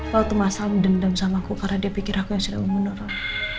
waktu mas al mendendam sama aku karena dia pikir aku yang sedang menurun